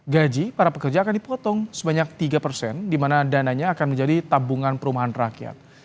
gaji para pekerja akan dipotong sebanyak tiga persen di mana dananya akan menjadi tabungan perumahan rakyat